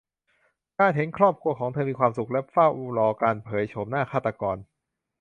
การเห็นครอบครัวของเธอมีความสุขและเฝ้ารอการเผยโฉมหน้าฆาตกร